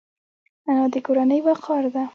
انا د کورنۍ وقار ده